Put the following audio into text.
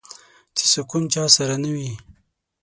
څه سکون چا سره نه وي